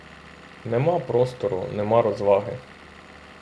Нема простору, нема розваги.